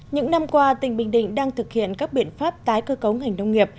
những năm qua tỉnh bình định đang thực hiện các biện pháp tái cơ cấu ngành nông nghiệp